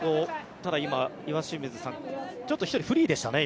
ただ今、岩清水さん１人ちょっとフリーでしたね。